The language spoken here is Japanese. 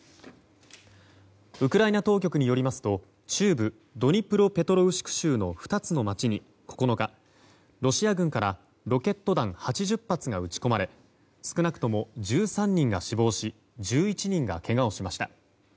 ウクライナ当局によりますと中部ドニプロペトロウシク州の２つの町に９日ロシア軍からロケット弾８０発が撃ち込まれ少なくとも１３人が死亡し１１人がけがをしました。